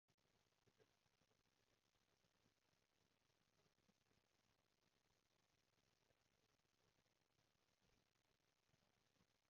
左右兩邊的水都係遮耳，由前到後斜剪上去到同後面剷咗嘅位打平